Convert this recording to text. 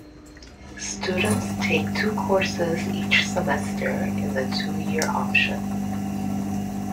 Students take two courses each semester in the two-year option.